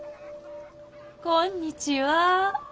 こんにちは。